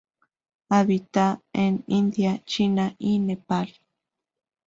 Habita en India, China y Nepal.